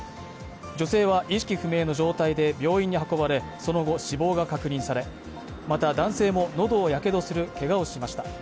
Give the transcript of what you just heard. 女性は意識不明の状態で病院に運ばれその後、死亡が確認され、また、男性も喉をやけどするけがをしました。